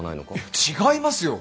違いますよ！